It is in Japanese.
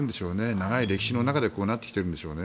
長い歴史の中でこうなってきているんでしょうね。